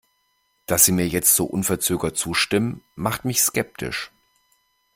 Dass sie mir jetzt so unverzögert zustimmt, macht mich skeptisch.